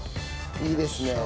いいですね。